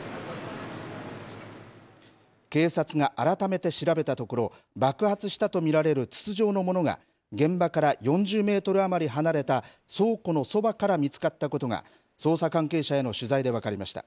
警察が改めて調べたところ、爆発したと見られる筒状のものが、現場から４０メートル余り離れた倉庫のそばから見つかったことが、捜査関係者への取材で分かりました。